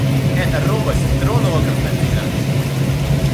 Эта робость тронула Константина.